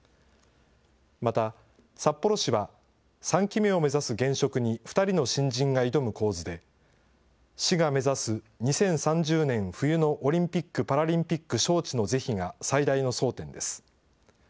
また、札幌市は３期目を目指す現職に、２人の新人が挑む構図で、市が目指す２０３０年冬のオリンピック・パラリンピック招致の是非が最大の争点です。